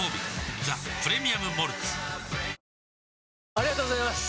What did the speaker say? ありがとうございます！